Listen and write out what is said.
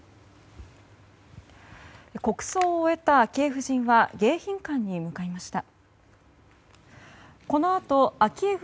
国葬を終えた昭恵夫人は迎賓館に向かいました。